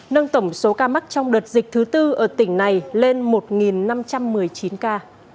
nâng tổng số ca mắc trong đợt dịch thứ tư ở tỉnh này lên một năm trăm một mươi chín ca